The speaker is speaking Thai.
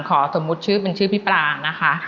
สมมุติชื่อเป็นชื่อพี่ปลานะคะ